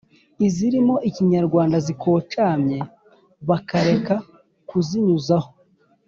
izirimo ikinyarwanda gikocamye bakareka kuzinyuzaho.”